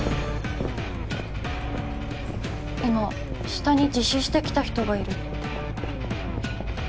今下に自首して来た人がいるって。